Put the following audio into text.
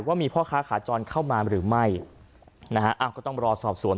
ว่ามีพ่อค้าขาจรเข้ามาหรือไม่นะฮะอ้าวก็ต้องรอสอบสวน